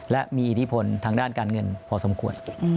และมีอิทธิพลทางด้านการเงินพอสมควร